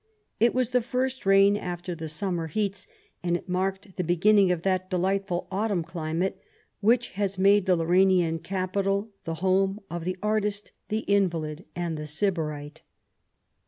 It was the first rain after the summer heats, and it marked the beginning of that delightful autumn climate which has made the Lauranian capital the home of the artist, the invalid, and the sybarite.